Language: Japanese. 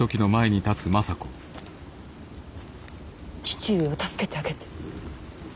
父上を助けてあげて。